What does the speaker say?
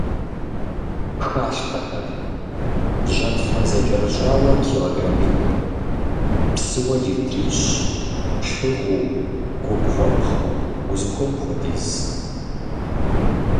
Халъхьэхэр: жьэнфэн зэкӀэрыщӀауэ килограммитӏ, псыуэ литрищ, шыгъуу, губгъуэпхъыу — узыхуейм хуэдиз.